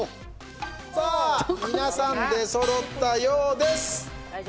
さあ、皆さん出そろったようです。